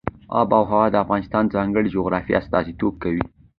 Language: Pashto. آب وهوا د افغانستان د ځانګړي جغرافیه استازیتوب کوي.